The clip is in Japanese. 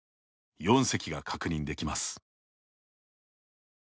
４隻が確認できます。